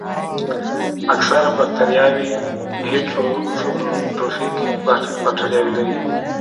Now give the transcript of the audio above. اکثره باکتریاوې هیټروټروفیک باکتریاوې دي.